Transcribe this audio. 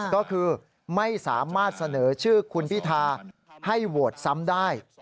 ก็คือไม่สามารถเสนอชื่อคุณพิธาให้โหวตซ้ำได้